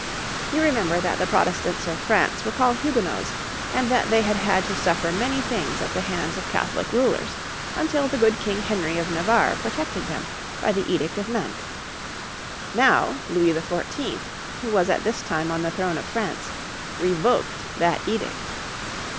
You remember that the Protestants of France were called Huguenots, and that they had had to suffer many things at the hands of Catholic rulers until the good King Henry of Navarre protected them by the Edict of Nantes. Now Louis XIV, who was at this time on the throne of France, revoked that edict.